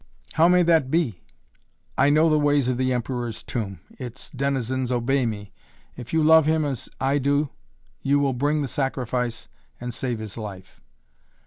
"How may that be?" "I know the ways of the Emperor's Tomb. Its denizens obey me! If you love him as I do you will bring the sacrifice and save his life."